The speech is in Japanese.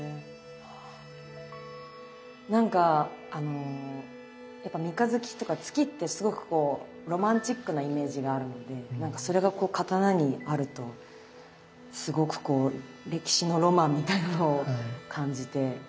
なんかあのやっぱ三日月とか月ってすごくこうロマンチックなイメージがあるのでなんかそれがこう刀にあるとすごくこう歴史のロマンみたいなのを感じて。